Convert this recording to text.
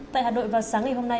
tại hà nội vào sáng ngày hôm nay